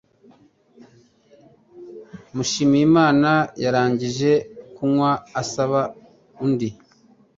Mushimiyimana yarangije kunywa asaba undi